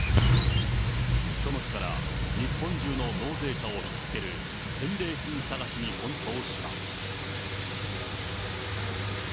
その日から、日本中の納税者を引きつける返礼品探しに奔走した。